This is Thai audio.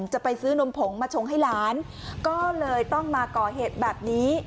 จะไปซื้อนมผงมาชงให้หลานก็เลยต้องมาก่อเหตุแบบนี้